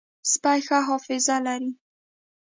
سپي ښه حافظه لري.